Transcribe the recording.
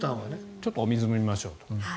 ちょっとお水を飲みましょうと。